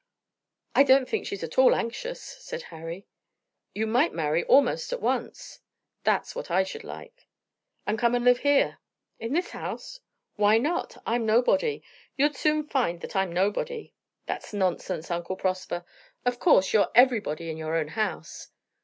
"I don't think she's at all anxious," said Harry. "You might marry almost at once." "That's what I should like." "And come and live here." "In this house?" "Why not? I'm nobody. You'd soon find that I'm nobody." "That's nonsense, Uncle Prosper. Of course you're everybody in your own house."